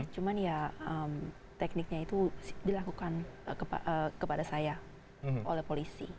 cuman ya tekniknya itu dilakukan kepada saya oleh polisi